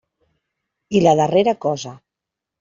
I la darrera cosa.